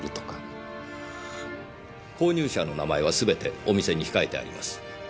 購入者の名前はすべてお店に控えてあります。